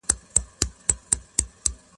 که په بلاګ کې رښتیا لیکل شي، نو درواغ نه کېږي.